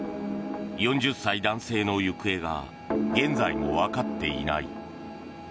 ４０歳男性の行方が現在もわかっていない。